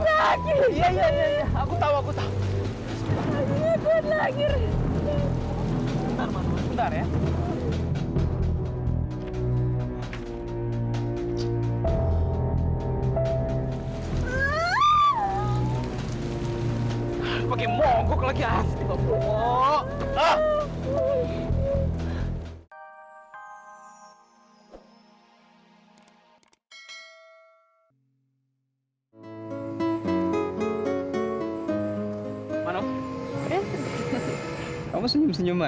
kamu senyum senyum aja ada apa